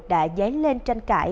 đã dấy lên tranh cãi